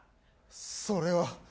それは。